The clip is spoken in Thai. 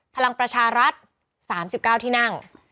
พลังประชารัฐ๓๙ที่นั่ง